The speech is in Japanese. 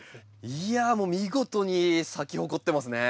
いやもう見事に咲き誇ってますね。